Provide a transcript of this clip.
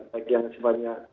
bagi yang sepertinya